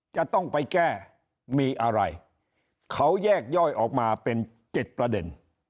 จะต้องไปแก้มีอะไรเขาแยกย่อยออกมาเป็น๗ประเด็น